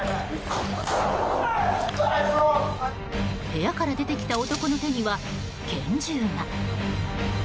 部屋から出てきた男の手には、拳銃が。